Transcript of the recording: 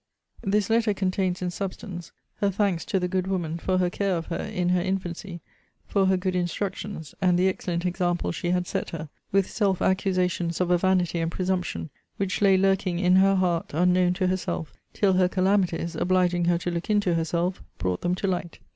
* This letter contains in substance her thanks to the good woman for her care of her in her infancy; for her good instructions, and the excellent example she had set her; with self accusations of a vanity and presumption, which lay lurking in her heart unknown to herself, till her calamities (obliging her to look into herself) brought them to light.